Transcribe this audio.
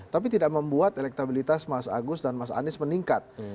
tapi tidak membuat elektabilitas mas agus dan mas anies meningkat